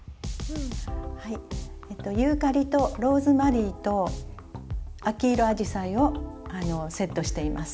はいユーカリとローズマリーと秋色あじさいをセットしています。